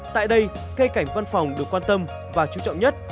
tại đây cây cảnh văn phòng được quan tâm và chú trọng nhất